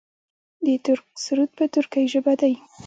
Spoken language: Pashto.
د ترک سرود په ترکۍ ژبه دی.